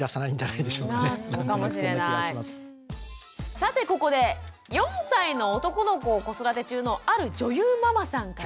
さてここで４歳の男の子を子育て中のある女優ママさんから。